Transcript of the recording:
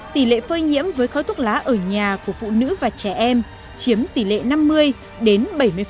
tỷ lệ phơi nhiễm với khói thuốc lá ở nhà của phụ nữ và trẻ em chiếm tỷ lệ năm mươi đến bảy mươi